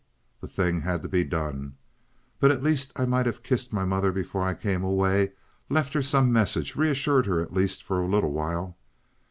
The thing had to be done. But at least I might have kissed my mother before I came away, left her some message, reassured her at least for a little while.